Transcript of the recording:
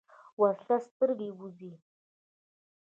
وسله سترګې وځي